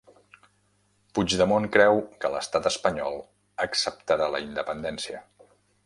Puigdemont creu que l'estat espanyol acceptarà la independència